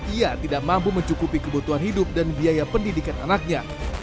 ia tidak mampu mencukupi kebutuhan hidup dan biaya pendidikan anaknya